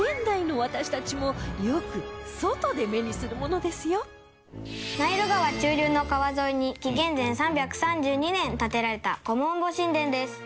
環子ちゃん：ナイル川中流の川沿いに紀元前３３２年に建てられたコム・オンボ神殿です。